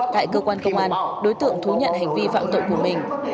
tại cơ quan công an đối tượng thú nhận hành vi phạm tội của mình